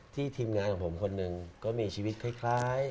ทีมงานของผมคนหนึ่งก็มีชีวิตคล้าย